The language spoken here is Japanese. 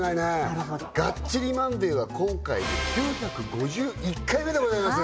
なるほど「がっちりマンデー！！」は今回で９５１回目でございます